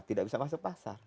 tidak bisa masuk pasar